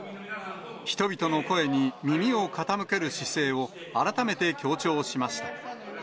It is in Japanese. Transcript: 人々の声に耳を傾ける姿勢を改めて強調しました。